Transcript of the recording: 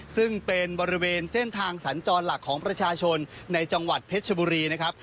ซึ่งเป็นบริเวณเส้นทางสัญจรหลักของประชาชนในจังหวัดเพชรชบุรีนะครับ